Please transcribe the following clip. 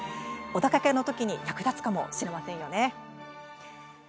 お出かけのときに役立つかもしれませんね。